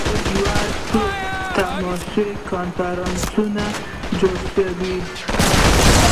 ایله یو څو نمایشي کنفرانسونه جوړ شوي.